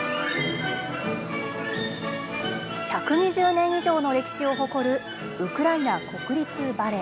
１２０年以上の歴史を誇るウクライナ国立バレエ。